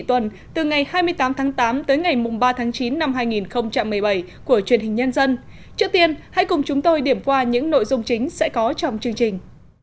trước tiên hãy cùng chúng tôi điểm qua những nội dung chính sẽ có trong chương trình